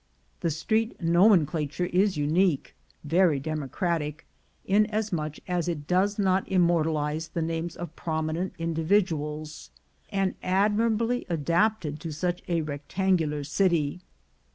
The street nomenclature is unique — very democratic, inasmuch as it does not immortalize the names of prominent individuals — and admirably adapted to such a rec tangular city.